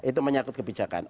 itu menyakit kebijakan